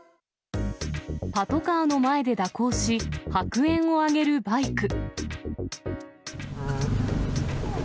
パトカーの前で蛇行し、白煙を上げるバイク。